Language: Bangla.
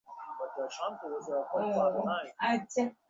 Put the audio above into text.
যাই হোক, এ তো গেল সৌদি আরবের ভেতরের পরিস্থিতির কথা।